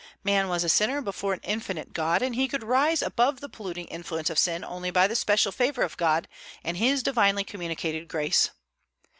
Man was a sinner before an infinite God, and he could rise above the polluting influence of sin only by the special favor of God and his divinely communicated grace.